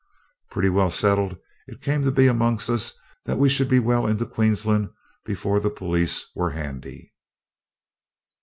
Pretty well settled it came to be amongst us that we should be well into Queensland before the police were handy.